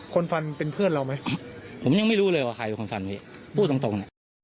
คนฟันเป็นเพื่อนเราไหมผมยังไม่รู้เลยว่าใครเป็นคนฟันไว้พูดตรง